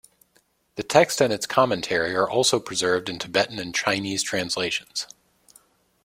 The text and its commentary are also preserved in Tibetan and Chinese translations.